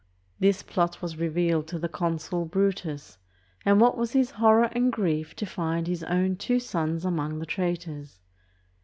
This plot was revealed to the consul Brutus, and what was his horror and grief to find his own two sons among the trai tors.